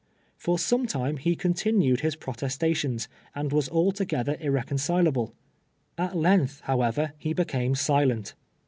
For some time ho continued his protestations, and was altogether irrec oncilable. At length, however, he became silent.